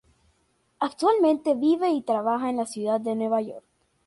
Actualmente vive y trabaja en la ciudad de Nueva York.